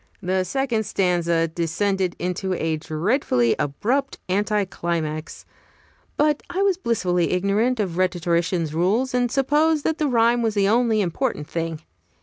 The second stanza descended in a dreadfully abrupt anti climax; but I was blissfully ignorant of rhetoricians' rules, and supposed that the rhyme was the only important thing.